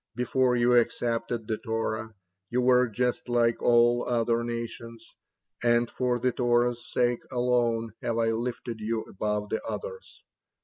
Before you accepted the Torah, you were just like all other nations, and for the Torah's sake alone have I lifted you above the others.